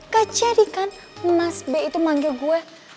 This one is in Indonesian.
gak jadi kan mas b itu manggil gue